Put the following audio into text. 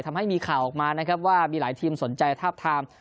ทำให้มีข่าวออกมานะครับว่ามีหลายทีมสนใจทาบทาม